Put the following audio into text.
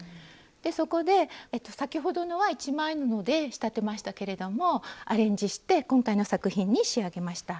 でそこで先ほどのは一枚布で仕立てましたけれどもアレンジして今回の作品に仕上げました。